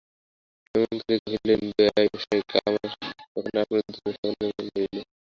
ক্ষেমংকরী কহিলেন, বেয়াইমশায়, কাল আমার ওখানে আপনাদের দুজনেরই সকালে নিমন্ত্রণ রহিল।